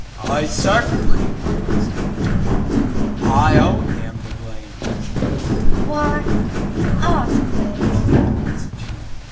"Ay, certainly," cries he, "I only am to blame." "Why, you are to blame, brother," answered she.